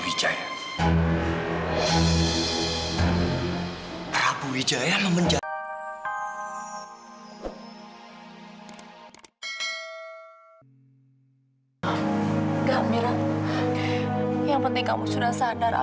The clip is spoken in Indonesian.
iya pak prabu menaikkan jumlahnya